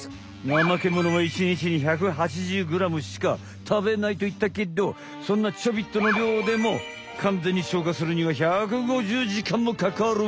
ナマケモノは１日に１８０グラムしかたべないといったけどそんなちょびっとの量でもかんぜんに消化するには１５０時間もかかる。